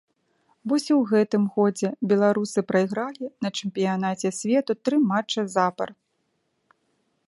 Вось і ў гэтым годзе беларусы прайгралі на чэмпіянаце свету тры матчы запар.